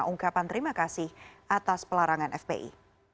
ungkapan terima kasih atas pelarangan fpi